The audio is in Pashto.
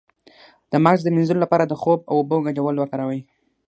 د مغز د مینځلو لپاره د خوب او اوبو ګډول وکاروئ